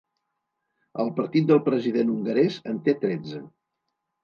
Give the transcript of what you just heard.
El partit del president hongarès en té tretze.